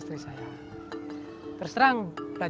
jika tujuanmu bersama orang kecil suku